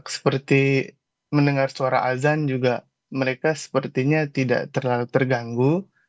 seperti mendengar suara azan juga mereka sepertinya tidak terlalu terganggu